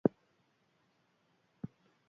Lakua mendi handien artean kokatzen da.